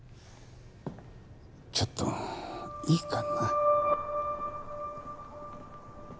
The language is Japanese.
ちょっといいかな？